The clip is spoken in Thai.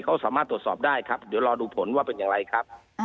เขาสามารถตรวจสอบได้ครับเดี๋ยวรอดูผลว่าเป็นอย่างไรครับ